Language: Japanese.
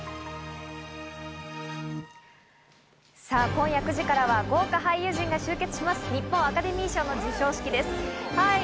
さぁ、今夜９時からは豪華俳優陣が集結します、日本アカデミー賞の授賞式です。